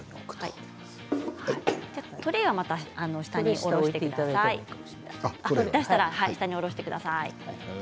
トレーは、また下に下ろしてください。